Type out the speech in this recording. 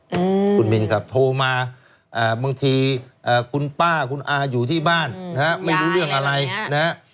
อืมคุณมินครับโทรมาอ่าบางทีอ่าคุณป้าคุณอาอยู่ที่บ้านนะฮะไม่รู้เรื่องอะไรนะฮะ